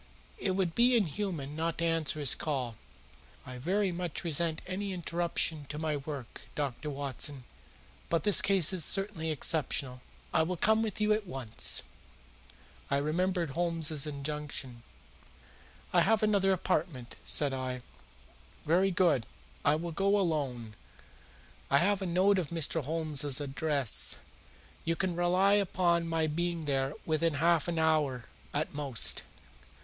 It would be inhuman not to answer his call. I very much resent any interruption to my work, Dr. Watson, but this case is certainly exceptional. I will come with you at once." I remembered Holmes's injunction. "I have another appointment," said I. "Very good. I will go alone. I have a note of Mr. Holmes's address. You can rely upon my being there within half an hour at most."